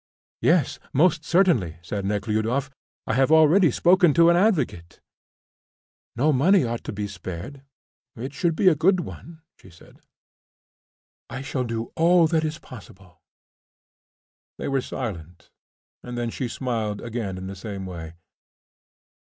"Yes, most certainly," said Nekhludoff. "I have already spoken to an advocate." "No money ought to be spared; it should be a good one," she said. "I shall do all that is possible." They were silent, and then she smiled again in the same way.